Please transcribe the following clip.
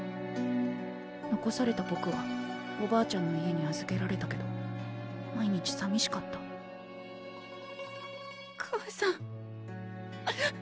残されたぼくはおばあちゃんの家に預けられたけど毎日さみしかった母さん。